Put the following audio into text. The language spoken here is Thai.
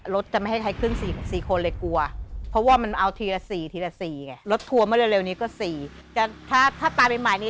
รถจะไม่ให้ให้ขึ้น๔คนเลยกลัวเพราะว่ามันเอาทีละ๔ทีละ๔ไง